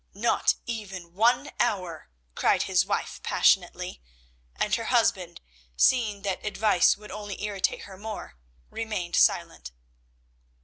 "Not even one hour," cried his wife passionately; and her husband, seeing that advice would only irritate her more, remained silent.